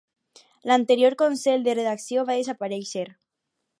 L'anterior consell de redacció va desaparèixer.